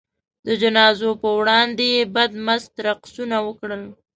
د جنازو په وړاندې یې بدمست رقصونه وکړل.